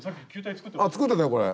作ってたよこれ。